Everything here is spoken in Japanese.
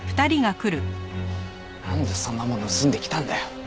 なんでそんなもん盗んできたんだよ！